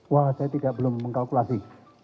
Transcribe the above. wah saya belum mengkalkulasi